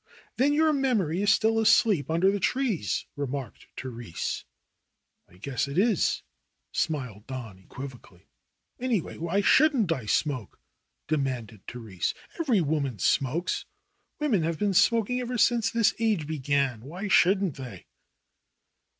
^Then your memory is still asleep under the trees," remarked Therese. 'T guess it is," smiled Don equivocally. '^Anyway, why shouldn't I smoke?" demanded The rese. '^Every woman smokes. Women have been smok ing ever since this age began. Why shouldn't they